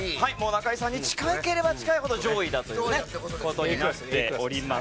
中居さんに近ければ近いほど上位だという事になっておりますが。